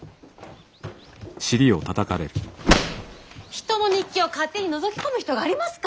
人の日記を勝手にのぞき込む人がありますか！